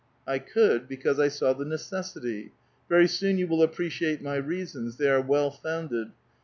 '' I could, because I saw the necessity. Very soon you will appreciate my reasons ; tliey are well founded.